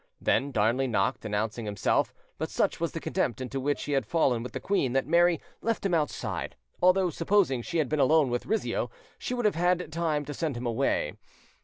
Then Darnley knocked, announcing himself; but such was the contempt into which he had fallen with the queen, that Mary left him outside, although, supposing she had been alone with Rizzio, she would have had time to send him away.